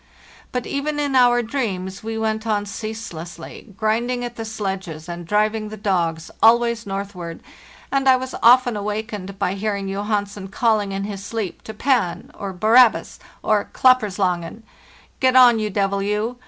But even in our dreams we went on ceaselessly, grinding at the sledges and driving the dogs, always northward, and I was often awakened by hearing Johansen calling in his sleep to "Pan," or " Barrabas," or " Klapperslangen ": "Get on, you devil, you!